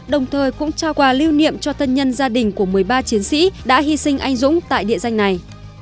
đồng thời cũng trao quà lưu niệm cho thân nhân gia đình của một mươi ba chiến sĩ đã hy sinh anh dũng tại địa danh này